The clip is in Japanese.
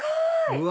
うわ！